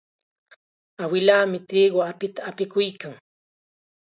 Awilaami triqu apita apikuykan.